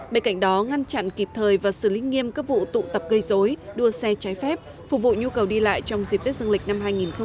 bên cạnh đó ngăn chặn kịp thời và xử lý nghiêm các vụ tụ tập gây dối đua xe trái phép phục vụ nhu cầu đi lại trong dịp tết dương lịch năm hai nghìn hai mươi